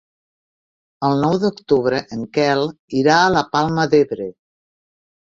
El nou d'octubre en Quel irà a la Palma d'Ebre.